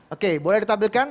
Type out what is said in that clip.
oke boleh ditampilkan